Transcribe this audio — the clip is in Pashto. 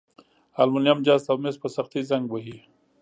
المونیم، جست او مس په سختي زنګ وهي.